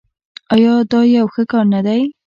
آیا دا یو ښه کار نه دی؟